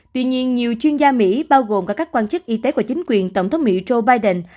tuy nhiên nhiều chuyên gia mỹ bao gồm cả các quan chức y tế và chính quyền tổng thống mỹ joe biden